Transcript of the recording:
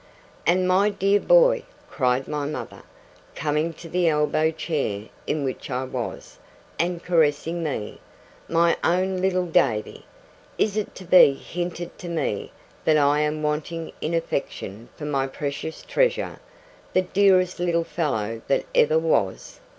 'And my dear boy,' cried my mother, coming to the elbow chair in which I was, and caressing me, 'my own little Davy! Is it to be hinted to me that I am wanting in affection for my precious treasure, the dearest little fellow that ever was!